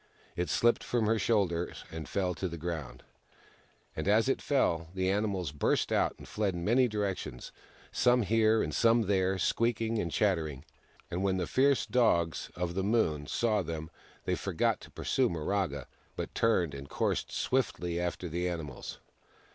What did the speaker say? It slipped from her shoulders, and fell to the ground ; and as it fell, the animals burst out and fled in many directions, some here and some there, squeaking and chattering. And when the fierce Dogs of the Moon saw them, they forgot to pursue Miraga, but turned and coursed swiftly after the animals.